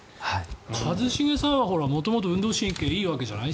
一茂さんは元々、運動神経がいいわけじゃない。